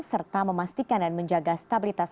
serta memastikan dan menjaga stabilitas